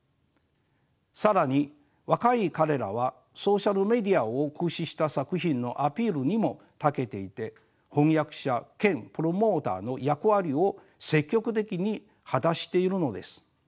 更に若い彼らはソーシャルメディアを駆使した作品のアピールにもたけていて翻訳者兼プロモーターの役割を積極的に果たしているのです。